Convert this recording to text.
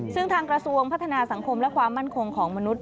ซึ่งทางกระทรวงพัฒนาสังคมและความมั่นคงของมนุษย